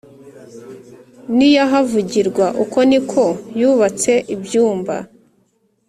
n iy ahavugirwa Uko ni ko yubatse ibyumba